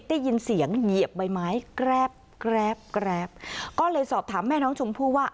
ได้ยินเสียงเหยียบใบไม้แกรบแกรบแกรปก็เลยสอบถามแม่น้องชมพู่ว่า